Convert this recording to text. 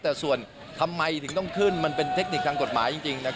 แต่ส่วนทำไมถึงต้องขึ้นมันเป็นเทคนิคทางกฎหมายจริง